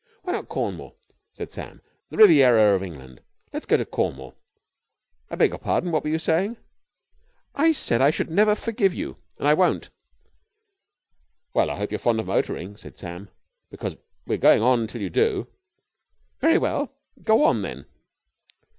"Why not Cornwall?" said Sam. "The Riviera of England! Let's go to Cornwall. I beg your pardon. What were you saying?" "I said I should never forgive you and I won't." "Well, I hope you're fond of motoring," said Sam, "because we're going on till you do." "Very well! Go on, then!"